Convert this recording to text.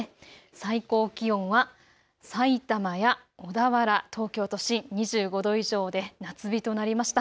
最高気温はさいたまや小田原、東京都心２５度以上で夏日となりました。